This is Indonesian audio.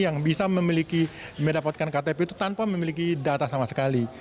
yang bisa memiliki mendapatkan ktp itu tanpa memiliki data sama sekali